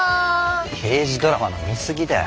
刑事ドラマの見すぎだよ。